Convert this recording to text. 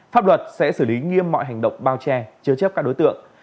pháp luật sẽ xử lý nghiêm mọi hành động bao che chứa chấp các đối tượng